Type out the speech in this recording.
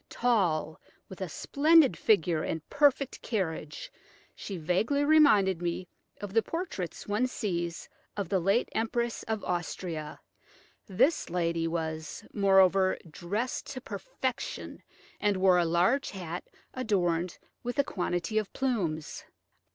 Tall, with a splendid figure and perfect carriage, she vaguely reminded me of the portraits one sees of the late Empress of Austria. This lady was, moreover, dressed to perfection, and wore a large hat adorned with a quantity of plumes.